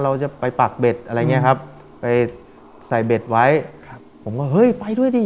เราจะไปปากเบ็ดอะไรอย่างเงี้ยครับไปใส่เบ็ดไว้ครับผมก็เฮ้ยไปด้วยดิ